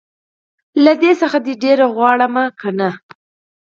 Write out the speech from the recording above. له دې څخه دي ډير غواړم که نه